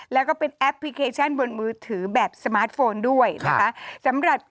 แล้วก็เป็นแอปพลิเคชันบนมือถือแบบสมาร์ทโฟนด้วยนะคะสำหรับ